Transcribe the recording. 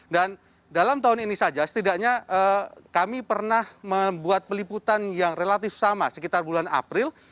dan dalam tahun ini saja setidaknya kami pernah membuat peliputan yang relatif sama sekitar bulan april